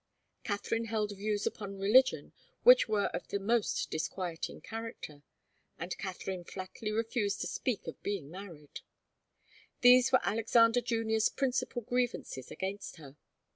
Katharine held views upon religion which were of the most disquieting character, and Katharine flatly refused to speak of being married. These were Alexander Junior's principal grievances against her.